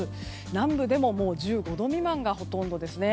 南部でも１５度未満がほとんどですね。